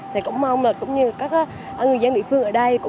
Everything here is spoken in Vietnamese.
thì cũng mong là cũng như các người dân địa phương ở đây